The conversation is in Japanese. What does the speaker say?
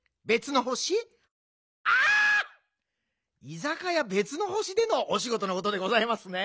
居酒屋別の星でのおしごとのことでございますね。